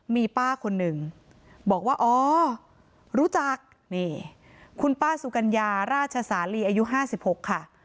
มีป้าคนหนึ่งบอกว่าอ๋อรู้จักนี่คุณป้าสุกัญญาราชสาลีอายุ๕๖ค่ะ